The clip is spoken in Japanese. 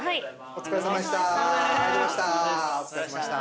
お疲れさまでした。